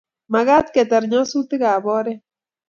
Magat ketar nyasutikab oret